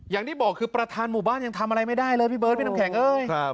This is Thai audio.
อย่างที่บอกคือประธานหมู่บ้านยังทำอะไรไม่ได้เลยพี่เบิร์ดพี่น้ำแข็งเอ้ย